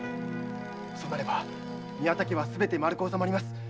そうなれば宮田家はすべてまるく納まります。